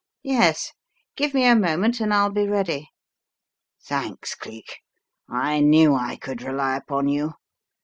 "Yes. Give me a moment and I'll be ready." "Thanks, Cleek. I knew I could rely upon you!